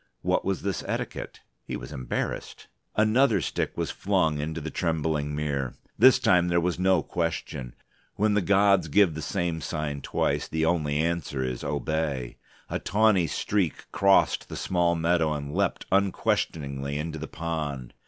What was this etiquette? He was embarrassed. Another stick was flung into the trembling mere. This time there was no question. When the gods give the same sign twice, the only answer is obey. A tawny streak crossed the small meadow, and leaped unquestioningly into the pond.